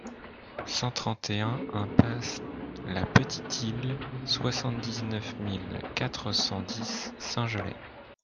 cent trente et un impasse de la Petite Isle, soixante-dix-neuf mille quatre cent dix Saint-Gelais